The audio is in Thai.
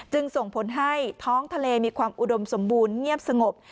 ส่งผลให้ท้องทะเลมีความอุดมสมบูรณ์เงียบสงบ